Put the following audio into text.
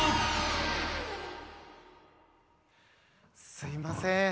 すいません。